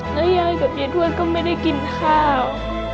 แล้วยายกับยายทวดก็ไม่ได้กินข้าว